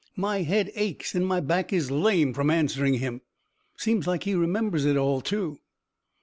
My head aches and my back is lame from answering him. Seems like he remembers it all, too."